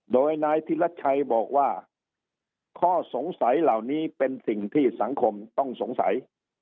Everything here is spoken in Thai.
โดยนายธิรัชชัยบอกว่าข้อสงสัยเหล่านี้เป็นสิ่งที่สังคมต้องสงสัย